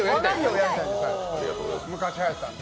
昔はやったんで。